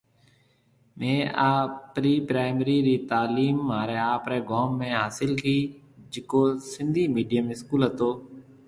مهيَ آپرِي پرائمري ري تالِيم مهاري آپري گوم ۾ هاسل ڪِي جيڪو سنڌي مِڊيِم اسڪول هتو